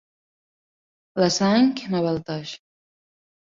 La sang m'abalteix.